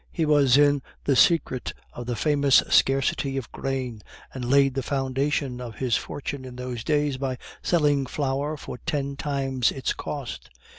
He was in the secret of the famous scarcity of grain, and laid the foundation of his fortune in those days by selling flour for ten times its cost.